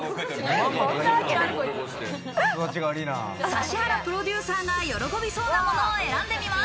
指原プロデューサーが喜びそうなものを選んでみます。